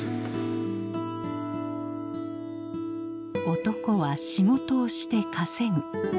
男は仕事をして稼ぐ。